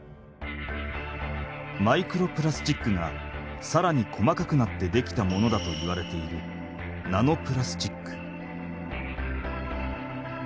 マイクロプラスチックがさらに細かくなってできたものだといわれているナノプラスチック。